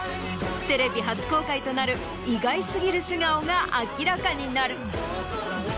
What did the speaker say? テレビ初公開となる意外過ぎる素顔が明らかになる。